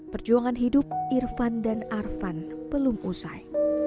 perjuangan hidup irfan dan arvan belum usai